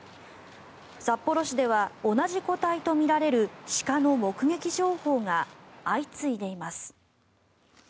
札幌市では同じ個体とみられる鹿の目撃情報が相次いでいます。